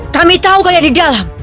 kami tahu kalian di dalam